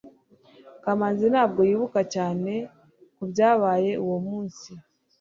kamanzi ntabwo yibuka cyane kubyabaye uwo munsi